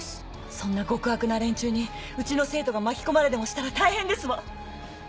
そんな極悪な連中にうちの生徒が巻き込まれでもしたら大変ですわ。